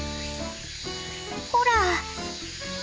ほら！